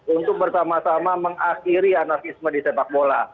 untuk bersama sama mengakhiri anarkisme di sepak bola